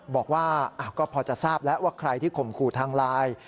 บอกว่าก็พอจะทราบแล้วว่าใครที่ข่มขู่ทางไลน์